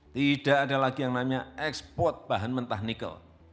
tidak ada lagi yang namanya ekspor bahan mentah nikel